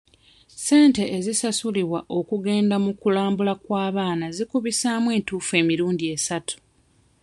Ssente ezisasulibwa okugenda mu kulambula kw'abaana zikubisaamu entuufu emirundi esatu.